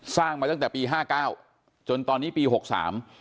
มาตั้งแต่ปีห้าเก้าจนตอนนี้ปีหกสาม